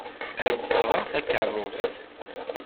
Ad d-sɣeɣ takeṛṛust.